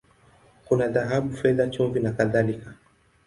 Kuna dhahabu, fedha, chumvi, na kadhalika.